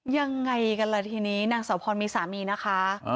ยังไงกันล่ะทีนี้นางสาวพรมีสามีนะคะ